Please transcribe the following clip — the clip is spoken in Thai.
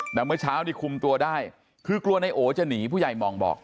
แต่เมื่อเช้านี้คุมตัวได้คือกลัวนายโอจะหนีผู้ใหญ่มองบอก